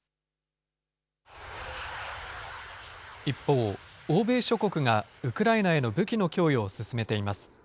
一方、欧米諸国がウクライナへの武器の供与を進めています。